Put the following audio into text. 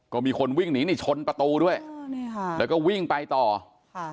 ก็มีคนวิ่งหนีนี่ชนประตูด้วยเออนี่ค่ะแล้วก็วิ่งไปต่อค่ะ